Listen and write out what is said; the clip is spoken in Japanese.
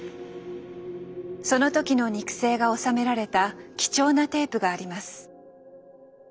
その時の肉声が収められた貴重なテープがあります。